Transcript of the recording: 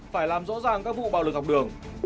phải làm rõ ràng các vụ bạo lực học đường